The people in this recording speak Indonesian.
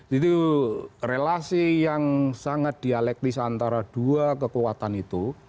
jadi relasi yang sangat dialektis antara dua kekuatan itu